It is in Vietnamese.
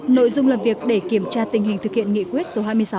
nội dung làm việc để kiểm tra tình hình thực hiện nghị quyết số hai mươi sáu